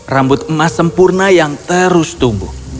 rambut emas sempurna yang terus tumbuh